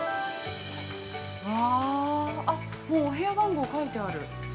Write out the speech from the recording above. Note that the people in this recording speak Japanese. ◆うわあ、あっもうお部屋番号書いてある。